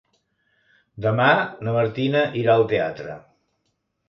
Demà na Martina irà al teatre.